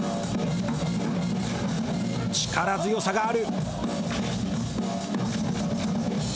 力強さがある。